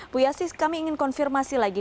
bu yasis kami ingin konfirmasi lagi